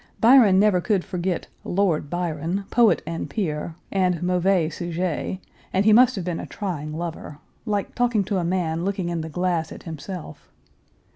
Byron never could forget Lord Byron, poet and peer, and mauvais sujet, and he must have been a trying lover; like talking to a man looking in the glass at himself.